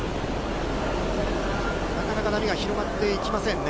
なかなか波が広がっていきませんね。